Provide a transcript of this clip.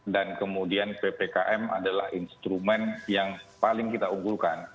dan kemudian ppkm adalah instrumen yang paling kita unggulkan